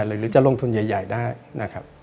หรือจะลงทุนใหญ่ได้นะครับ